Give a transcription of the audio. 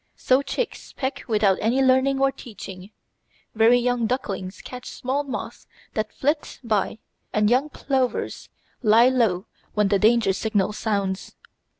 So chicks peck without any learning or teaching, very young ducklings catch small moths that flit by, and young plovers lie low when the danger signal sounds.